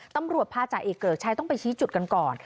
ตำรวจพาจ่าเอกเกริกชัยต้องไปชี้จุดกันก่อน